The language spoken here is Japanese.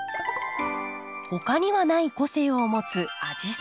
他にはない個性を持つアジサイ。